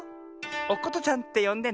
おことちゃんってよんでね。